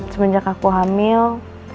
semenjak aku hamil